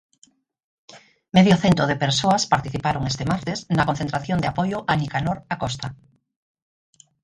Medio cento de persoas participaron este martes na concentración de apoio a Nicanor Acosta.